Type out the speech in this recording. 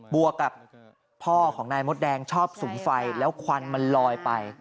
วกกับพ่อของนายมดแดงชอบสุมไฟแล้วควันมันลอยไป